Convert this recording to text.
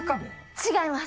違います。